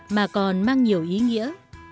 mà còn mang nhiều ý nghĩa